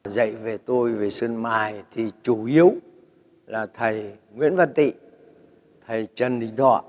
dạy về tôi về sơn mài thì chủ yếu là thầy nguyễn văn tị thầy trần đình thọ